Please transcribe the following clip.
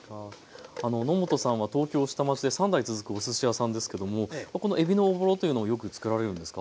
野本さんは東京下町で３代続くおすし屋さんですけどもこのえびのおぼろというのをよくつくられるんですか？